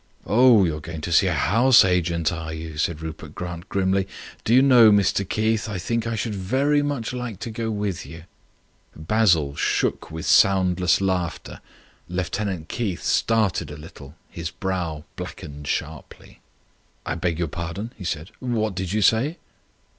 "Oh, you're going to see a house agent, are you?" said Rupert Grant grimly. "Do you know, Mr Keith, I think I should very much like to go with you?" Basil shook with his soundless laughter. Lieutenant Keith started a little; his brow blackened sharply. "I beg your pardon," he said. "What did you say?"